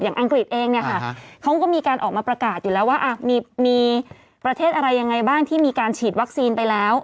อังกฤษเองเนี่ยค่ะเขาก็มีการออกมาประกาศอยู่แล้วว่ามีประเทศอะไรยังไงบ้างที่มีการฉีดวัคซีนไปแล้ว